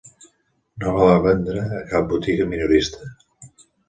No la va vendre a cap botiga minorista.